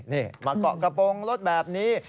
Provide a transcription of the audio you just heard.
นี่มาเกาะกระโปรงรถแบบนี้